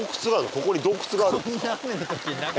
ここに洞窟があるんですか？